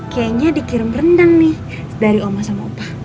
kayaknya dikirim rendang nih dari oma sama upah